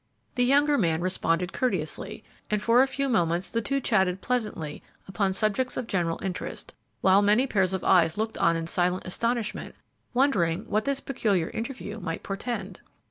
The younger man responded courteously, and for a few moments the two chatted pleasantly upon subjects of general interest, while many pairs of eyes looked on in silent astonishment, wondering what this peculiar interview might portend.